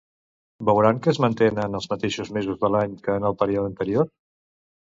Veuran que es mantenen els mateixos mesos de l'any que en el període anterior?